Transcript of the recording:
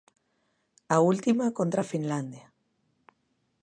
A última contra Finlandia.